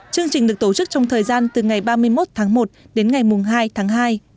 chương trình được tổ chức trong thời gian từ ngày ba mươi một tháng một đến ngày hai tháng hai